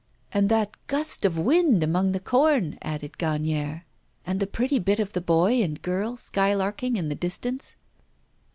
'And that gust of wind among the corn,' added Gagnière, 'and the pretty bit of the boy and girl skylarking in the distance.